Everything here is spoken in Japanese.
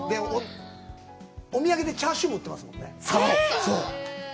お土産にチャーシューも売ってますよ。